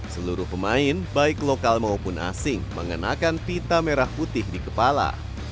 seluruh pemain baik lokal maupun asing mengenakan pita merah putih di kepala